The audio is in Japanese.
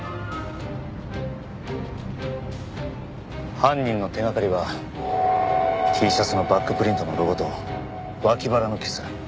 犯人の手掛かりはＴシャツのバックプリントのロゴと脇腹の傷。